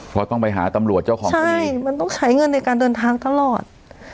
เพราะต้องไปหาตำรวจเจ้าของบ้านใช่มันต้องใช้เงินในการเดินทางตลอด